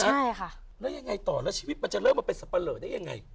ใช่ค่ะแล้วยังไงต่อแล้วชีวิตมันจะเริ่มมาเป็นสับปะเหลอได้ยังไง